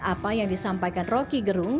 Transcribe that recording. apa yang disampaikan roky gerung